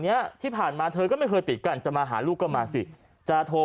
ที่ผ่านมาเธอก็ไม่เคยปิดกันจะมาหาลูกก็มาสิจะโทร